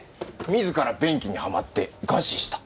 自ら便器にはまって餓死した。